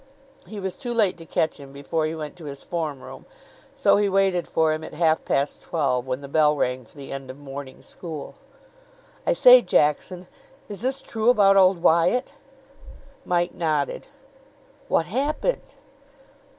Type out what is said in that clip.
He was too late to catch him before he went to his form room, so he waited for him at half past twelve, when the bell rang for the end of morning school. "I say, Jackson, is this true about old Wyatt?" Mike nodded. "What happened?"